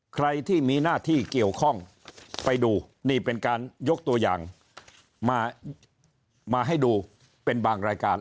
ใครที่มีหน้าที่เกี่ยวข้องไปดูนี่เป็นการยกตัวอย่างมาให้ดูเป็นบางรายการ